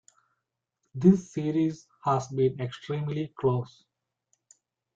This series has been extremely close.